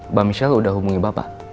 mbak michelle udah hubungi bapak